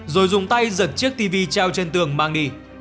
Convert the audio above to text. rồi dùng tay giật chiếc tv treo trên tường mang đi